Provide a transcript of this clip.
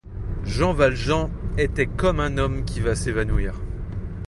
Jean Valjean était comme un homme qui va s’évanouir.